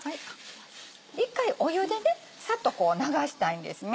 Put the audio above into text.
一回湯でサッと流したいんですね。